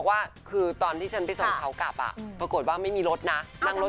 ายไปบ้านและรถ